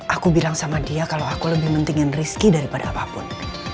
aku bilang sama dia kalau aku lebih pentingin rizki daripada apapun